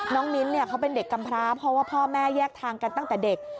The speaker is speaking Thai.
มิ้นเขาเป็นเด็กกำพร้าเพราะว่าพ่อแม่แยกทางกันตั้งแต่เด็ก